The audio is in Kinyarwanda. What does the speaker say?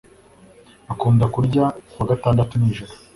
Akunda kurya ku wa gatandatu nijoro